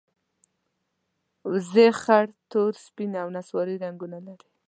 وزې خړ، تور، سپین او نسواري رنګونه لري